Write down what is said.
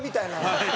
はい。